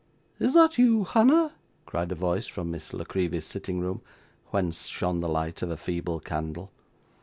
'Is that you, Hannah?' cried a voice from Miss La Creevy's sitting room, whence shone the light of a feeble candle.